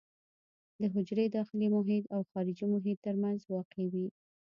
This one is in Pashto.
د حجرې داخلي محیط او خارجي محیط ترمنځ واقع وي.